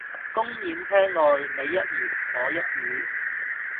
公演廳外你一言我一語